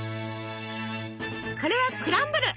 これはクランブル。